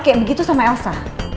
kayak begitu sama elsa